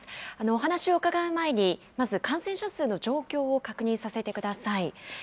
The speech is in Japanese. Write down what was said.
お話を伺う前に、まず感染者数の状況を確認させてください。